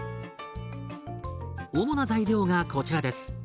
主な材料がこちらです。